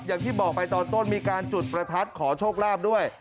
อย่างที่บอกไปตอนต้นมีการจุดประทัดขอโชคลาภด้วย